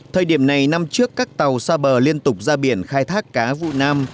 thời điểm này năm trước các tàu xa bờ liên tục ra biển khai thác cá vụ nam